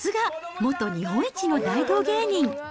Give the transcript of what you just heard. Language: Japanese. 元日本一の大道芸人。